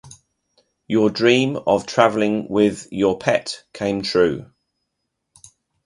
Your dream of traveling with your pet came true!